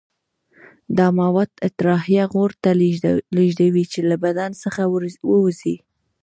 دا مواد اطراحیه غړو ته لیږدوي چې له بدن څخه ووځي.